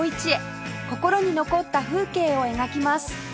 心に残った風景を描きます